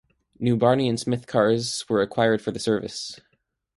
New Barney and Smith cars were acquired for the service.